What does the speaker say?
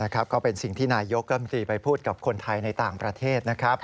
ก็เป็นสิ่งที่นายยกรมตรีไปพูดกับคนไทยในต่างประเทศนะครับ